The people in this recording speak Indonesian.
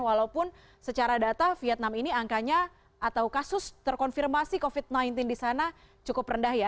walaupun secara data vietnam ini angkanya atau kasus terkonfirmasi covid sembilan belas di sana cukup rendah ya